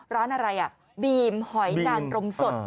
ร้านอะไรอ่ะบีมหอยนางรมสด